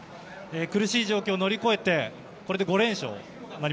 苦しい状況を乗り越えてこれで５連勝。